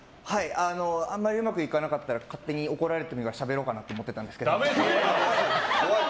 あんまりうまくいかなかったら勝手に怒られてしゃべろうかなと思ってたんですけど。